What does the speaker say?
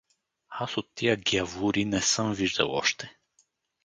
Аз от тия гявури не съм виждал още.